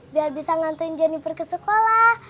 biar bisa ngantuin jennifer ke sekolah